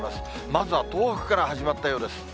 まずは東北から始まったようです。